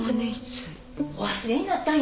お忘れになったんやね。